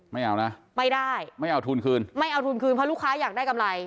ไม่เอานะไม่ได้ไม่เอาทุนคืนไม่เอาทุนคืนเพราะลูกค้าอยากได้กำไร